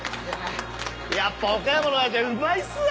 やっぱ岡山のオヤジはうまいっすね！